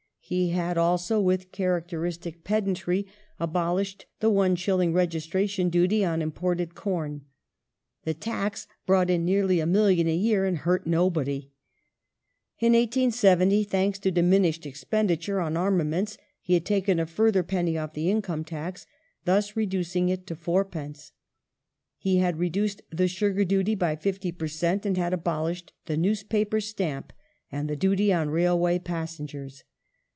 He had also, with characteristic pedantry, abolished the one shilling registration duty on imported corn. The tax brought in nearly a million a year and hurt nobody. In 1870, thanks to diminished expenditure on armaments, he had taken a further penny off the income tax, thus i educing it to fourpence ; he had reduced the sugar duty by 50 per cent., and had abolished the newspaper stamp and the duty on railway pas sengei*s.